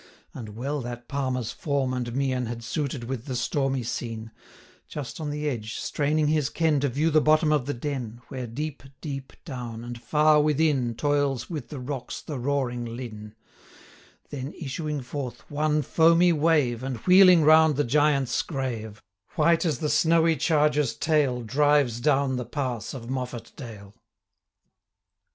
And well that Palmer's form and mien Had suited with the stormy scene, 255 Just on the edge, straining his ken To view the bottom of the den, Where, deep deep down, and far within, Toils with the rocks the roaring linn; Then, issuing forth one foamy wave, 260 And wheeling round the Giant's Grave, White as the snowy charger's tail, Drives down the pass of Moffatdale.